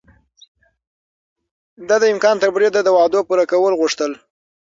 ده د امکان تر بريده د وعدو پوره کول غوښتل.